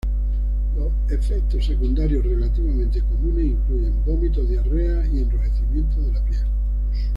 Los efectos secundarios relativamente comunes incluyen vómitos, diarrea y enrojecimiento de la piel.